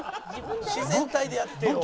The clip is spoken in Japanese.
自然体でやってよ。